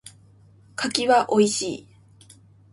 柿は美味しい。